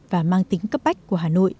và mang tính cấp bách của hà nội